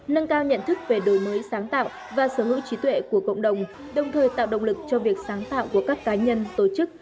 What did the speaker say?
nâng cao nhận thức về đổi mới sáng tạo và sở hữu trí tuệ của cộng đồng đồng thời tạo động lực cho việc sáng tạo của các cá nhân tổ chức